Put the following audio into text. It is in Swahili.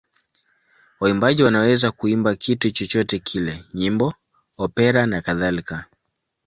Waimbaji wanaweza kuimba kitu chochote kile: nyimbo, opera nakadhalika.